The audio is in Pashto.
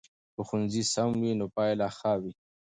که ښوونځی سم وي نو پایله ښه وي.